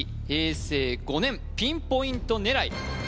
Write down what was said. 平成５年ピンポイント狙い